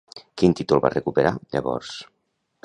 Quin títol va recuperar, llavors?